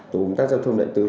tổ công tác giao thông đại tự